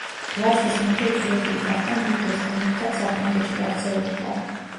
რვა წლის მეფე იძულებული გახდა, მეუღლესთან ერთად საფრანგეთში გაქცეულიყო.